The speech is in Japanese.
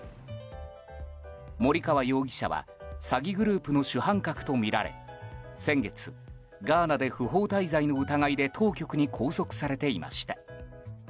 森川容疑者は詐欺グループの主犯格とみられ先月、ガーナで不法滞在の疑いで当局に拘束されていました。